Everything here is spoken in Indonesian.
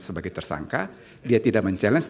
sebagai tersangka dia tidak men challenge